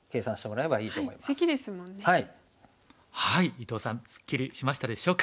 伊藤さんすっきりしましたでしょうか。